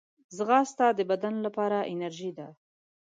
ځغاسته د بدن لپاره انرژي ده